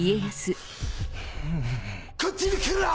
こっちに来るな！